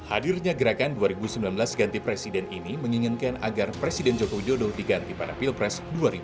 hadirnya gerakan dua ribu sembilan belas ganti presiden ini menginginkan agar presiden joko widodo diganti pada pilpres dua ribu sembilan belas